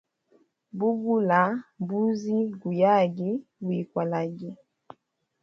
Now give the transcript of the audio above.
Bugula mbuzi guyage, gulikwalage.